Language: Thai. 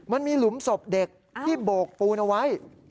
หลุมศพเด็กที่โบกปูนเอาไว้